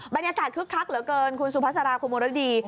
บรรยากาศคึกคักเหลือเกินคุณสุพัสราคุณมรดี